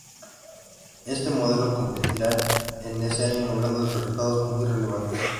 Este modelo, competiría en ese año logrando resultados muy relevantes.